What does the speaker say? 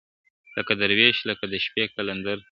لکه دروېش لکه د شپې قلندر `